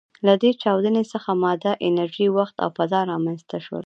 له دې چاودنې څخه ماده، انرژي، وخت او فضا رامنځ ته شول.